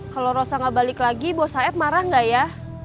kalau rossa gak balik lagi bos saeb marah gak ya